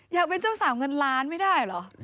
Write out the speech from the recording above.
อยากเป็นเจ้าสาวเงินล้านไม่ได้เหรอ